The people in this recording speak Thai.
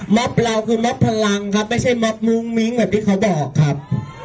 มอบเราก็คือมอบพลังครับไม่ใช่มอบมุ้งมิ้งอย่างที่เขาบอกครับ